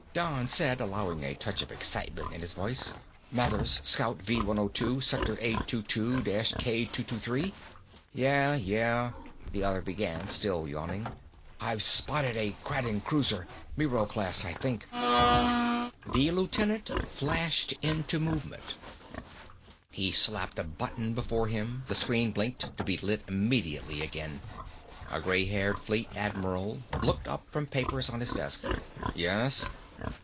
Don said, allowing a touch of excitement in his voice, "Mathers, Scout V 102, Sector A22 K223." "Yeah, yeah ..." the other began, still yawning. "I've spotted a Kraden cruiser. Miro class, I think." The lieutenant flashed into movement. He slapped a button before him, the screen blinked, to be lit immediately again. A gray haired Fleet Admiral looked up from papers on his desk. "Yes?"